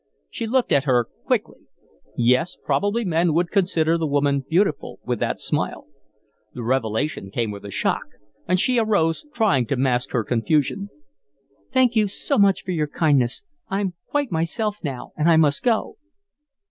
She looked at her quickly. Yes, probably men would consider the woman beautiful, with that smile. The revelation came with a shock, and she arose, trying to mask her confusion. "Thank you so much for your kindness. I'm quite myself now and I must go."